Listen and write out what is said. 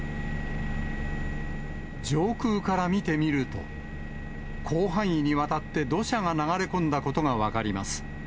上空から見てみると、広範囲にわたって土砂が流れ込んだことが分かります。